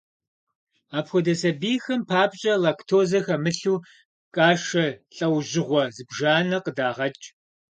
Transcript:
Апхуэдэ сабийхэм папщӀэ лактозэ хэмылъу кашэ лӀэужьыгъуэ зыбжанэ къыдагъэкӀ.